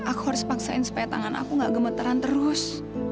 aku harus paksain supaya tangan aku gak gemeteran terus